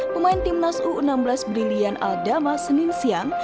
pemain timnas u enam belas brilian aldama senin siang